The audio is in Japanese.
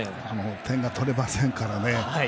点が取れませんからね。